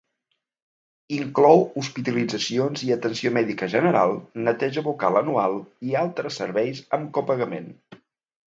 Inclou hospitalitzacions i atenció mèdica general, neteja bucal anual i altres serveis amb copagament.